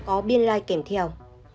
có biên lai kèm theo